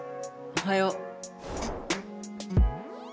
おはよう。